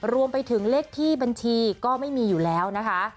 รวมไปถึงเลขที่บัญชีก็ไม่มีอยู่แล้วนะคะ